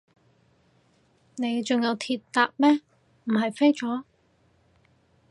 你仲有鐵搭咩，唔係飛咗？